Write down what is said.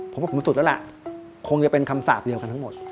ผมว่าผมสุดแล้วล่ะคงจะเป็นคำสาปเดียวกันทั้งหมด